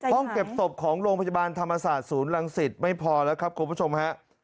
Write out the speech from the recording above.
ห้องเก็บศพของโรงพยาบาลธรรมศาสตร์ศูนย์รังสิตไม่พอแล้วครับคุณผู้ชมฮะ